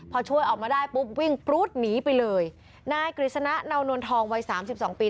พอช่วยออกมาได้ปุ๊บวิ่งปรู๊ดหนีไปเลยนายกฤษณะเนานวลทองวัยสามสิบสองปี